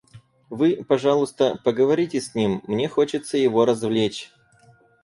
Вы, пожалуйста, поговорите с ним, мне хочется его развлечь.